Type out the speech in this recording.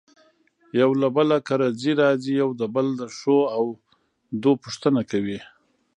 يو له بل کره ځي راځي يو د بل دښو او دو پوښنته کوي.